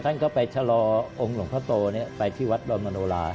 ท่านก็ไปชะลอองค์หลวงพ่อโตไปที่วัดดอนมโนรา